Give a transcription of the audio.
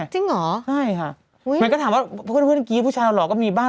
จริงเหรอใช่ค่ะมันก็ถามว่าเพื่อนเมื่อกี้ผู้ชายหล่อก็มีบ้าง